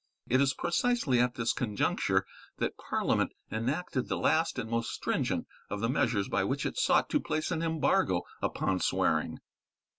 It is precisely at this conjuncture that Parliament enacted the last and most stringent of the measures by which it sought to place an embargo upon swearing.